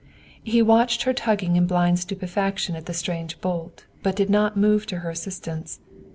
He watched her tugging in blind stupefaction at the strange bolt, but did not move to her assistance.